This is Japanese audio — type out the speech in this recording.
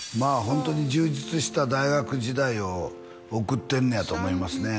ホントに充実した大学時代を送ってんねやと思いますね